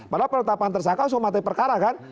padahal pertapaan tersangka langsung mati perkara kan